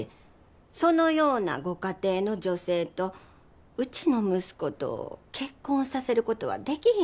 そのようなご家庭の女性とうちの息子と結婚させることはできひんのです。